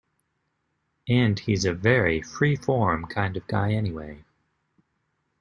And he's a very free-form kind of guy anyway.